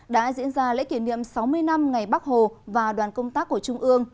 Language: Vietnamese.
đã diễn ra lễ kỷ niệm sáu mươi năm ngày bắc hồ và đoàn công tác của trung ương